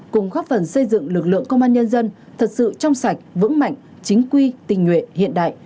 cùng góp phần xây dựng lực lượng công an nhân dân thật sự trong sạch vững mạnh chính quy tình nguyện hiện đại